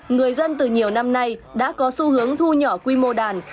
người dân từ nhiều năm nay đã có xu hướng thu nhỏ quy mô đàn